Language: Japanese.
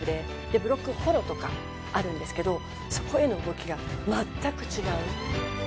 ブロックフォローとかあるんですけどそこへの動きが全く違う。